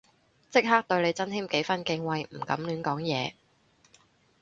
即刻對你增添幾分敬畏唔敢亂講嘢